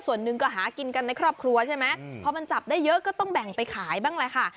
ส่วนหนึ่งก็หากินกันในครอบครัวใช่ไหมพอมันจับได้เยอะก็ต้องแบ่งไปขายบ้างแหละค่ะ